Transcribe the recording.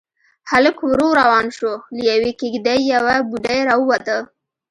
هلک ورو روان شو، له يوې کېږدۍ يوه بوډۍ راووته.